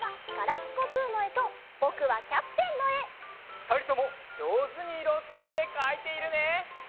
ふたりともじょうずにいろをつかってかいているね！